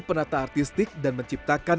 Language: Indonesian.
penata artistik dan menciptakan